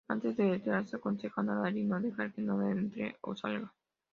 Antes de retirarse, aconsejan a Larry no dejar que nada entre o salga.